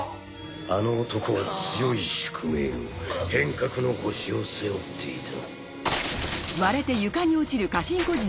あの男は強い宿命を変革の星を背負っていた。